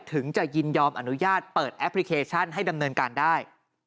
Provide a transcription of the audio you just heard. ถึงจะยินยอมอนุญาตเปิดแอปพลิเคชันให้ดำเนินการได้